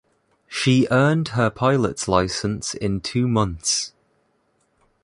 She earned her pilot's license in two months.